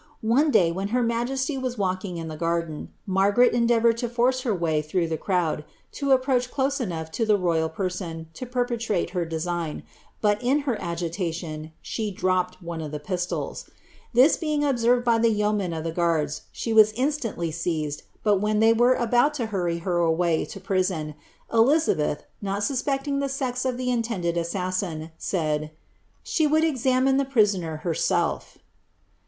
One day, when her majesty was walking in the garden, Margaret endea voured to force her way through the crowd, to approach close enouoh to the royal person to perpetrate her design, but, in her agitation, she dropped one of the pistols. This being observed by the yeomen of the guards, she was instantly seized, but when they were about to htirry her away to prison, Elizabeth, not suspecting the sex of the intended assassin, said ' she would examine the prisoner herself."